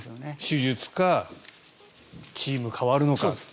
手術かチーム、変わるのか。